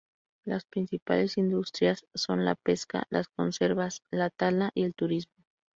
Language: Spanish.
Las principales industrias son la pesca, las conservas, la tala y el turismo.